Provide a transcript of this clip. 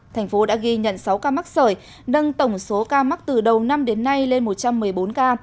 thành phố đã ghi nhận sáu ca mắc sởi nâng tổng số ca mắc từ đầu năm đến nay lên một trăm một mươi bốn ca